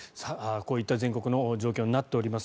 こういった全国の状況になっています。